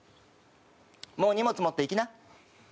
もう荷物持って行きな。